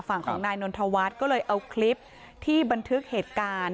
ฝั่งของนายนนทวัฒน์ก็เลยเอาคลิปที่บันทึกเหตุการณ์